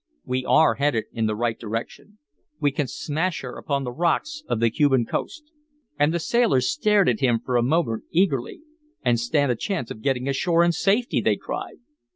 We are headed in the right direction. We can smash her upon the rocks of the Cuban coast." And the sailors stared at him for a moment eagerly. "And stand a chance of getting ashore in safety!" they cried.